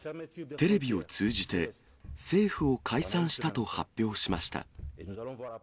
テレビを通じて、政府を解散したと発表しました。